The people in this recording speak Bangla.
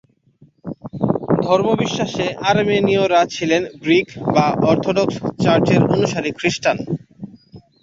ধর্মবিশ্বাসে আর্মেনীয়রা ছিলেন গ্রিক বা অর্থডক্স চার্চের অনুসারী খ্রিস্টান।